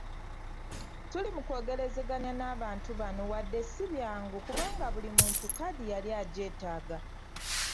Tuli mukwogerezeganya n'abantu bano wadde si byangu kubanga buli muntu kkaadi yali agyetaaga.